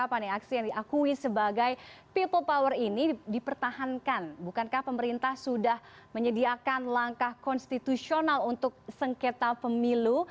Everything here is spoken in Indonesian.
pemirsa keputusan sudah menyediakan langkah konstitusional untuk sengketa pemilu